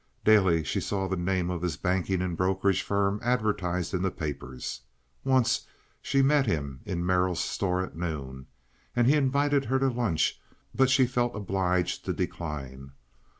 Daily she saw the name of his banking and brokerage firm advertised in the papers. Once she met him in Merrill's store at noon, and he invited her to lunch; but she felt obliged to decline.